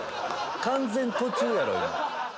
完全途中やろ今。